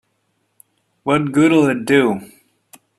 What good'll it do?